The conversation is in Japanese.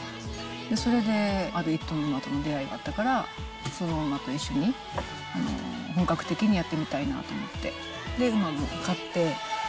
それである一頭の馬との出会いがあったから、その馬と一緒に、本格的にやってみたいなと思って、馬も買って。